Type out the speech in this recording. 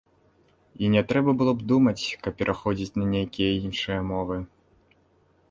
І не трэба было б думаць, каб пераходзіць на нейкія іншыя мовы.